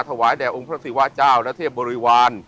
แด่องค์พระศิวะเจ้าและเทพบริวาร